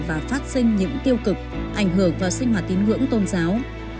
và phát sinh những tiêu cực ảnh hưởng vào sinh hoạt tín ngưỡng tôn giáo